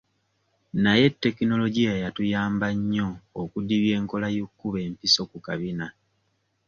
Naye tekinologiya yatuyamba nnyo okudibya enkola y'okkuba empiso ku kabina.